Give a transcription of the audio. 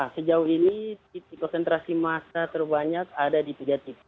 sejauh ini titik konsentrasi massa terbanyak ada di tiga titik